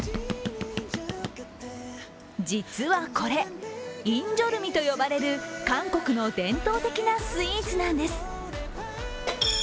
実はこれ、インジョルミと呼ばれる韓国の伝統的なスイーツなんです。